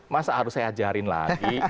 masa harus saya ajarin lagi